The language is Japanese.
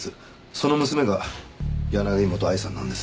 その娘が柳本愛さんなんですね。